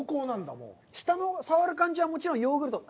舌のさわる感じはもちろんヨーグルト。